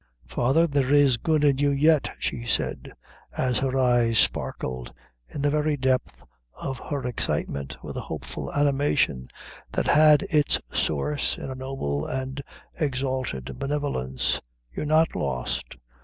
"Father, there is good in you yet," she said, as her eyes sparkled in the very depth of her excitement, with a hopeful animation that had its source in a noble and exalted benevolence, "you're not lost."